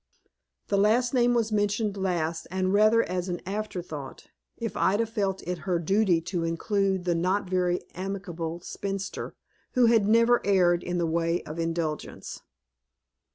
The last name was mentioned last, and rather as an after thought, if Ida felt it her duty to include the not very amiable spinster, who had never erred in the way of indulgence.